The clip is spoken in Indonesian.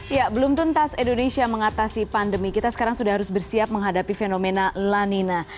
ya belum tuntas indonesia mengatasi pandemi kita sekarang sudah harus bersiap menghadapi fenomena lanina